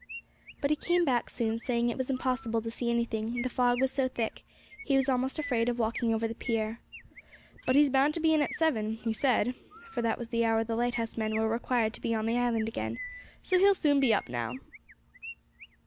But he came back soon, saying it was impossible to see anything; the fog was so thick, he was almost afraid of walking over the pier. 'But he's bound to be in at seven, he said (for that was the hour the lighthousemen were required to be on the island again), 'so he'll soon be up now.'